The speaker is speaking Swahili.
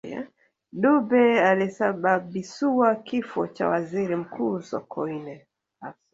dube alisababisua kifo cha waziri mkuu sokoine